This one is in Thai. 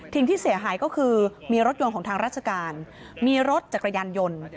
ที่เสียหายก็คือมีรถยนต์ของทางราชการมีรถจักรยานยนต์